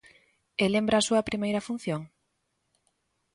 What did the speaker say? E lembra a súa primeira función?